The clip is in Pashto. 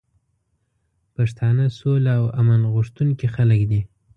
پښتانه سوله او امن غوښتونکي خلک دي.